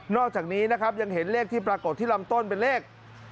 อกจากนี้นะครับยังเห็นเลขที่ปรากฏที่ลำต้นเป็นเลข